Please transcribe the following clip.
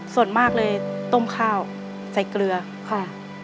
ส่วนมากเลยต้มข้าวใส่เกลือค่ะ